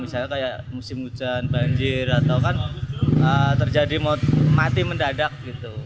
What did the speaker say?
misalnya kayak musim hujan banjir atau kan terjadi mati mendadak gitu